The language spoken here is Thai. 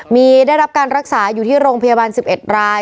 มีได้รับการรักษาอยู่ที่โรงพยาบาล๑๑ราย